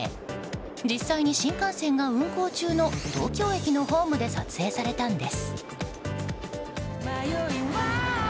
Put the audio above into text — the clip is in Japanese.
実際に新幹線が運行中の東京駅のホームで撮影されたんです。